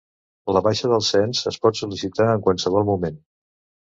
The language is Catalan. La baixa del Cens es pot sol·licitar en qualsevol moment.